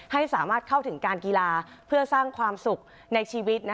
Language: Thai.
ให้สามารถเข้าถึงการกีฬาเพื่อสร้างความสุขในชีวิต